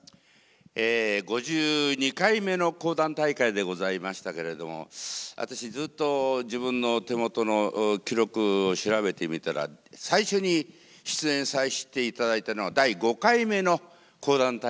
え５２回目の講談大会でございましたけれども私ずっと自分の手元の記録を調べてみたら最初に出演させていただいたのが第５回目の講談大会でしたね。